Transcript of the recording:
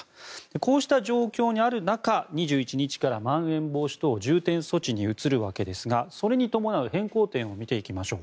こうした状況にある中２１日からまん延防止等重点措置に移るわけですがそれに伴う変更点を見ていきましょう。